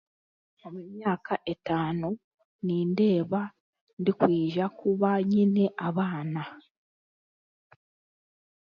Omu myaka etaano, nindeeba ndikwija kuba nyine abaana.